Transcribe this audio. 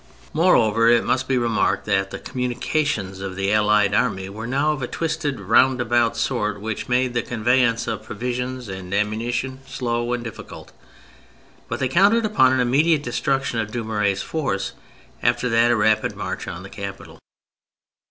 Moreover, it must be re marked that the communications of the Allied Army were now of a twisted, roundabout sort, which made the conveyance of provisions and ammunition slow and difficult — but thev counted upon an immediate destruction of Dumouriez' force and after that a rapid march on the capital.